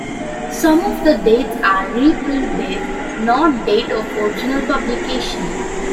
Some of the dates are reprint dates, not date of original publication.